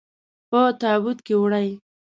په تابوت کې وړئ.